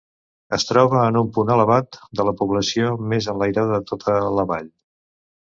Es troba en un punt elevat de la població més enlairada de tota la Vall.